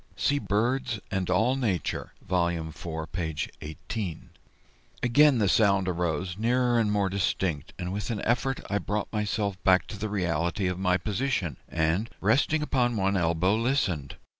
[See BIRDS AND ALL NATURE, Vol. IV, p. 18.] Again the sound arose, nearer and more distinct, and with an effort I brought myself back to the reality of my position, and, resting upon one elbow, listened.